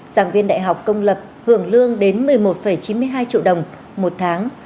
giảng viên đại học công lập hưởng lương đến một mươi một chín mươi hai triệu đồng một tháng